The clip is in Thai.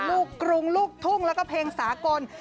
ลูกกรุงลูกทุ่งแล้วก็เพลงสากล